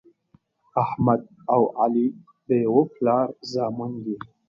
احمد او علي د یوه پلار زامن دي.